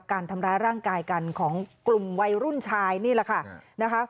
การทำร้ายร่างกายกันของกลุ่มวัยรุ่นชายนี่แหละค่ะนะคะ